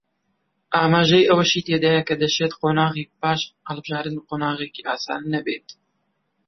ئاماژەی ئەوەیشی تێدایە کە دەشێت قۆناغی پاش هەڵبژاردن قۆناغێکی ئاسان نەبێت